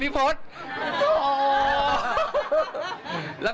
พี่พี่พด